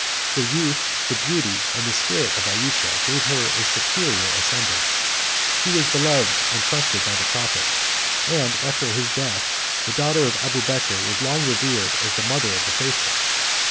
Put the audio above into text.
The youth, the beauty, the spirit of Ayesha, gave her a superior ascendant: she was beloved and trusted by the prophet; and, after his death, the daughter of Abubeker was long revered as the mother of the faithful.